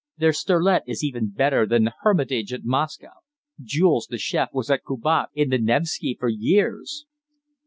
Their sterlet is even better than the Hermitage at Moscow. Jules, the chef, was at Cubat's, in the Nevski, for years."